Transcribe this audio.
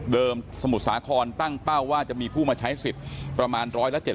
สมุทรสาครตั้งเป้าว่าจะมีผู้มาใช้สิทธิ์ประมาณ๑๗๐